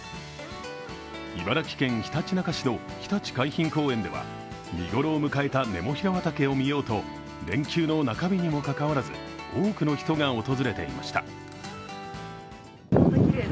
茨城県ひたちなか市のひたち海浜公園では、見頃を迎えたネモフィラ畑を見ようと連休の中日にもかかわらず多くの人が訪れていました。